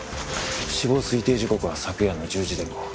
死亡推定時刻は昨夜の１０時前後。